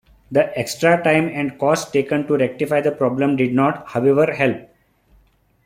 The extra time and costs taken to rectify the problem did not, however, help.